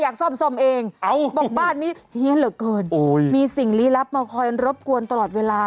ซ่อมซ่อมเองบอกบ้านนี้เฮียนเหลือเกินโอ้ยมีสิ่งลี้ลับมาคอยรบกวนตลอดเวลา